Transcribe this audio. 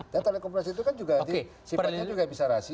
dan telekonferensi itu kan juga sifatnya bisa rahasia